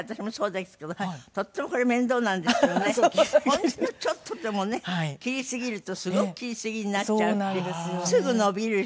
ほんのちょっとでもね切りすぎるとすごく切りすぎになっちゃうしすぐ伸びるし。